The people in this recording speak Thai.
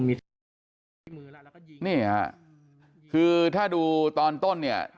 นี่ฮะคือถ้าดูตอนต้นเนี่ย